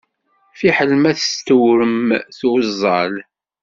Fiḥel ma testewrem tuẓẓal.